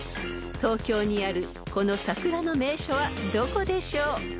［東京にあるこの桜の名所はどこでしょう？］